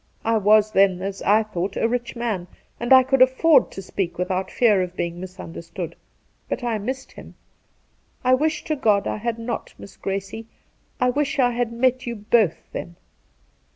I was then, as I thought, a rich man, and I could aflFord to speak without fear of being misunderstood, but I missed him. I wish to God I had not, Miss Gracie ; I wish I had met you both then.